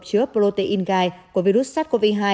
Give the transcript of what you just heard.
chứa protein guide của virus sars cov hai